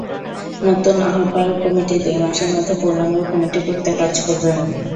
নতুন আহ্বায়ক কমিটি দুই মাসের মধ্যে পূর্ণাঙ্গ কমিটি করতে কাজ করবে।